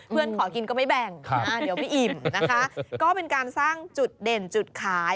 ขอกินก็ไม่แบ่งเดี๋ยวไม่อิ่มนะคะก็เป็นการสร้างจุดเด่นจุดขาย